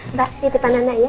mbak yuk di pandang naya